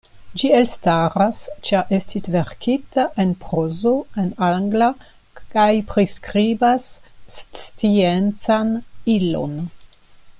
Ĝi elstaras ĉar estis verkita en prozo, en angla, kaj priskribas sciencan ilon.